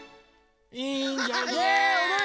いいんじゃない？